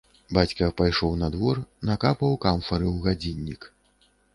Бацька пайшоў на двор, накапаў камфары ў гадзіннік.